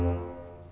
duduk atu ma